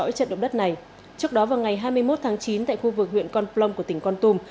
trong số bảy trận động đất này trước đó vào ngày hai mươi một tháng chín tại khu vực huyện con plong của tỉnh con tùm